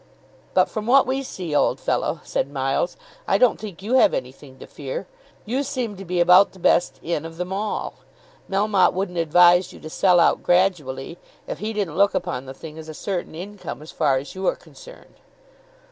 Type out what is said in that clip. "But from what we see, old fellow," said Miles, "I don't think you have anything to fear. You seem to be about the best in of them all. Melmotte wouldn't advise you to sell out gradually, if he didn't look upon the thing as a certain income as far as you are concerned."